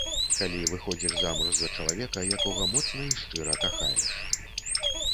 Калі выходзіш замуж за чалавека, якога моцна і шчыра кахаеш!